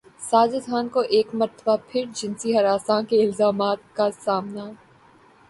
ساجد خان کو ایک مرتبہ پھر جنسی ہراسانی کے الزامات کا سامنا